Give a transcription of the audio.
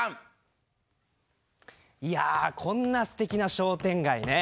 いやこんなすてきな商店街ね